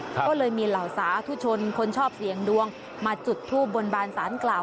ก็เลยมีเหล่าสาธุชนคนชอบเสี่ยงดวงมาจุดทูบบนบานสารกล่าว